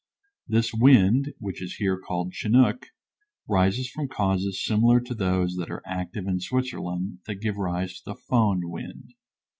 This wind, which is here called "chinook," arises from causes similar to those that are active in Switzerland that give rise to the "fohn" wind.